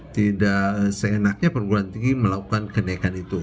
tidak seenaknya perguruan tinggi melakukan kenaikan itu